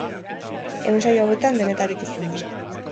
Ehun saio hauetan, denetarik izan da.